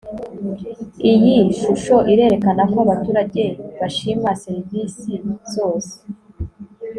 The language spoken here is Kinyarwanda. iyi shusho irerekana ko abaturage bashima serivisi zose